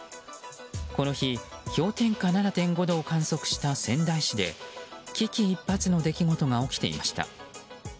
この日、氷点下７．５度を観測した仙台市で危機一髪の出来事が起きていました。